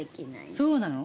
そうなの？